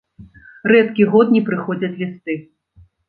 Рэдкі год не прыходзяць лісты.